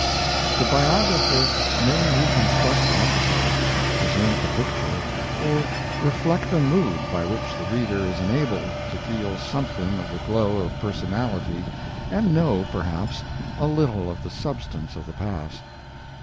The biographer may reconstruct an episode, present a picture, or reflect a mood by which the reader is enabled to feel something of the glow of personality and know, perhaps, a little of the substance of the past.